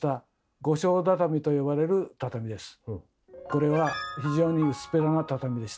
これは非常に薄っぺらな畳でした。